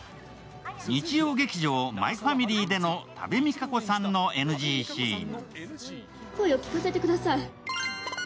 日曜劇場「マイファミリー」での多部未華子さんのＮＧシーン。